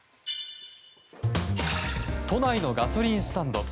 都内のガソリンスタンド。